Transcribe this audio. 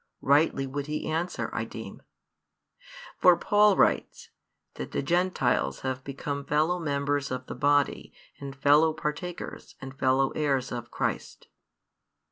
Rightly would he answer, I deem. For Paul writes, that the Gentiles have become fellow members of the body, and fellow partakers, and fellow heirs of Christ.